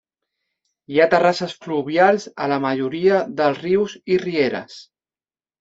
Hi ha terrasses fluvials a la majoria de rius i rieres.